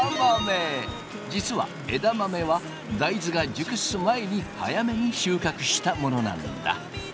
実は枝豆は大豆が熟す前に早めに収穫したものなんだ。